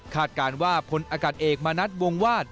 คาดการณ์ว่าผลอากาศเอกมานัดวงวาด